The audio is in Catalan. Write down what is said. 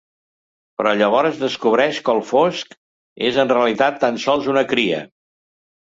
Però llavors descobreix que el Fosc és en realitat tan sols una cria.